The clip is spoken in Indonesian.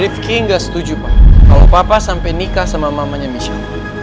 rifki nggak setuju pak kalau papa sampai nikah sama mamanya michelle